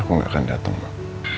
aku gak akan dateng mbak